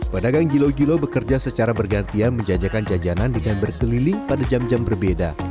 pedagang gilo gilo bekerja secara bergantian menjajakan jajanan dengan berkeliling pada jam jam berbeda